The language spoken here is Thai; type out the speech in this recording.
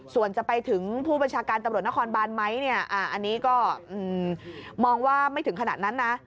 ส่วนจะไปถึงผู้บัญชาการตำรวจนครบานไหมเนี่ยอันนี้ก็มองว่าไม่ถึงขนาดนั้นนะ